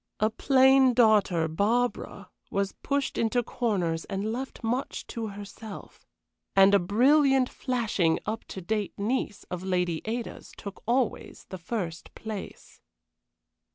A plain daughter, Barbara, was pushed into corners and left much to herself. And a brilliant, flashing, up to date niece of Lady Ada's took always the first place.